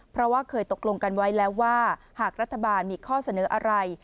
เพราะว่าเคยตกลงกันไว้แล้วว่าหากรัฐบาลมีข้อเสนออะไร